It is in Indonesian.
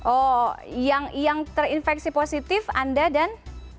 oh yang terinfeksi positif anda dan